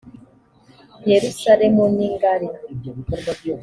yerusalemu ningari.